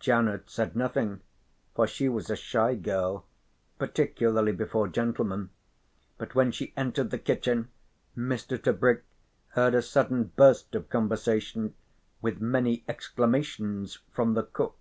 Janet said nothing for she was a shy girl, particularly before gentlemen, but when she entered the kitchen Mr. Tebrick heard a sudden burst of conversation with many exclamations from the cook.